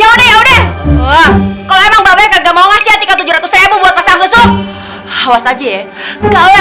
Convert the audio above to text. umm ya undeh ya undeh take tujuh ratus saya membuat ancestry